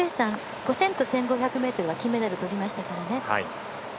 ５０００と１５００では金メダルをとりましたからね。